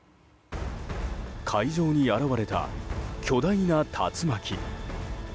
海上に現れた巨大な竜巻。